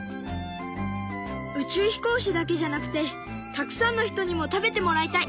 宇宙飛行士だけじゃなくてたくさんの人にも食べてもらいたい。